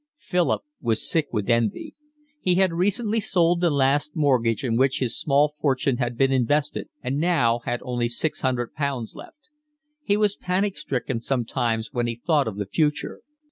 Philip was sick with envy. He had recently sold the last mortgage in which his small fortune had been invested and now had only six hundred pounds left. He was panic stricken sometimes when he thought of the future.